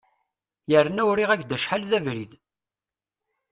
Yerna uriɣ-ak-d acḥal d abrid.